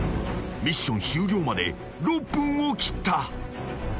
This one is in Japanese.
［ミッション終了まで６分を切った］